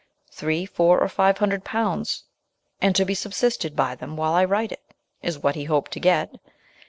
" Three, four, or five hundred pounds, and to be subsisted by them while I write it," is what he hoped to get.